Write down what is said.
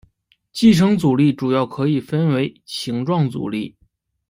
寄生阻力主要可以分为形状阻力。